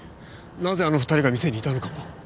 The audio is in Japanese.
なぜあの２人が店にいたのかも。